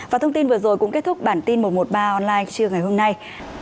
và thông tin vừa rồi cũng kết thúc bản tin một trăm một mươi ba online trưa ngày hôm nay